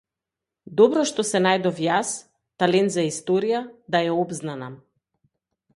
Добро што се најдов јас, талент за историја, да ја обзнанам.